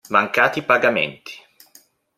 Mancati pagamenti.